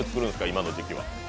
今の時期は。